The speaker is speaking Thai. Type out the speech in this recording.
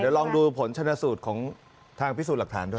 เดี๋ยวลองดูผลชนะสูตรของทางพิสูจน์หลักฐานด้วย